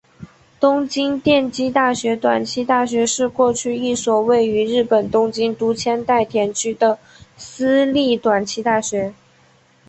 东京电机大学短期大学是过去一所位于日本东京都千代田区的私立短期大学。